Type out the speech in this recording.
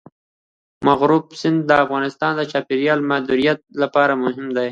مورغاب سیند د افغانستان د چاپیریال د مدیریت لپاره مهم دی.